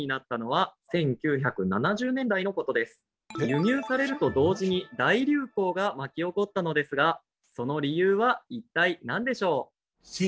輸入されると同時に大流行が巻き起こったのですがその理由は一体何でしょう？